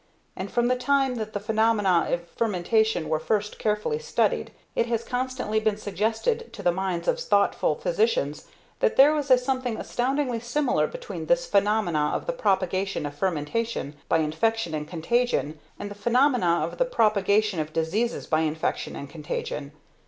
And from the time that the phenomenon of fermentation were first carefully studied, it has constantly been suggested to the minds of thoughtful physicians that there was a something astoundingly similar between this phenomena of the propagation of fermentation by infection and contagion, and the phenomena of the propagation of diseases by infection and contagion.